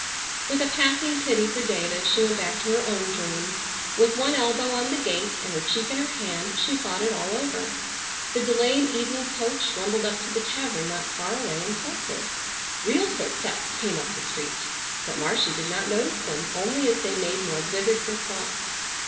With a passing pity for David she went back to her own dream. With one elbow on the gate and her cheek in her hand she thought it all over. The delayed evening coach rumbled up to the tavern not far away and halted. Real footsteps came up the street, but Marcia did not notice them only as they made more vivid her thoughts.